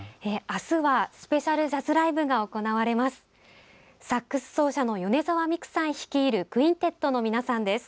あすはスペシャルジャズライブが行われます。